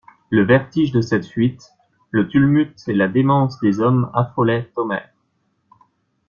Le vertige de cette fuite, le tumulte et la démence des hommes affolaient Omer.